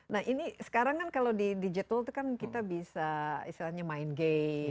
nah ini sekarang kan kalau di digital itu kan kita bisa istilahnya main game